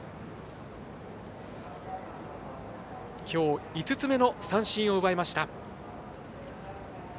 きょう、５つ目の三振を奪いました。